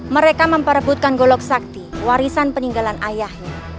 mereka memperebutkan golok sakti warisan peninggalan ayahnya